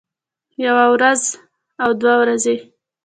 يوه وروځه او دوه ورځې